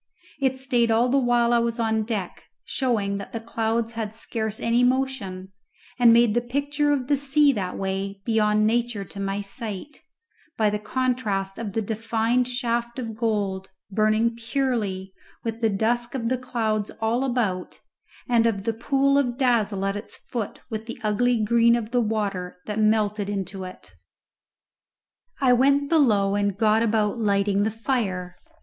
It stayed all the while I was on deck, showing that the clouds had scarce any motion, and made the picture of the sea that way beyond nature to my sight, by the contrast of the defined shaft of gold, burning purely, with the dusk of the clouds all about, and of the pool of dazzle at its foot with the ugly green of the water that melted into it. I went below and got about lighting the fire.